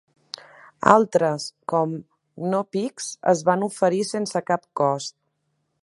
Altres, com Knoppix, es van oferir sense cap cost.